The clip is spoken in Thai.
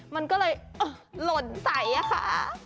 มันก็เลยหล่นใสอะค่ะ